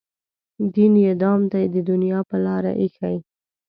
دین یې دام دی د دنیا په لاره ایښی.